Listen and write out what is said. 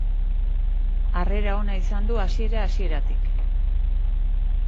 Harrera ona izan du hasiera-hasieratik.